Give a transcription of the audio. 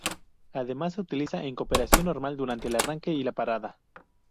Además se utiliza en operación normal durante el arranque y la parada.